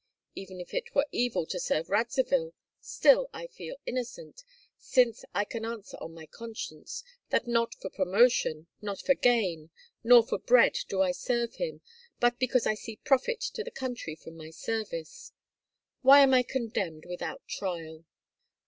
Even if it were evil to serve Radzivill, still I feel innocent, since I can answer on my conscience, that not for promotion, not for gain, nor for bread do I serve him, but because I see profit to the country from my service. Why am I condemned without trial?